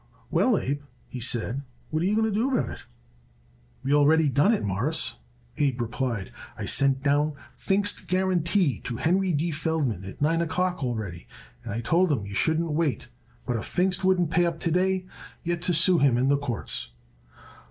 "Well, Abe," he said, "what are we going to do about it?" "We already done it, Mawruss," Abe replied. "I sent down Pfingst's guarantee to Henry D. Feldman at nine o'clock already, and I told him he shouldn't wait, but if Pfingst wouldn't pay up to day yet to sue him in the courts."